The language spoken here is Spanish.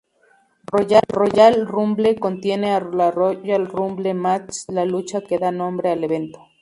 Royal Rumble contiene la Royal Rumble match, la lucha que da nombre al evento.